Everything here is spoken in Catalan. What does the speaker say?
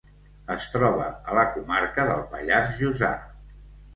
Es troba a la comarca del Pallars Jussà.